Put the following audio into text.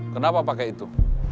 kenapa pakai itu